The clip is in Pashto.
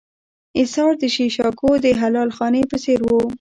اېثار د شیکاګو د حلال خانې په څېر و.